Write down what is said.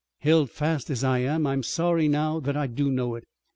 "Held fast as I am, I'm sorry now that I do know it."